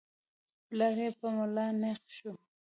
پلار يې په ملا نېغ شو.